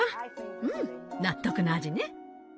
うん納得の味ね。